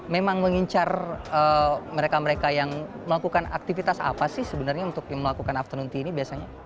memang mengincar mereka mereka yang melakukan aktivitas apa sih sebenarnya untuk melakukan afternoon tea ini biasanya